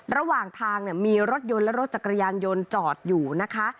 ระหว่างทางเนี่ยมีรถยนต์และรถจักรยานยนต์จอดอยู่นะคะ